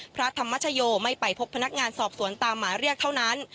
พระธรรมชโยไม่ไปพบพนักงานสอบสวนตามหมายเรียกเท่านั้น